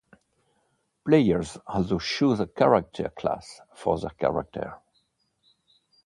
Players also choose a character class for their character.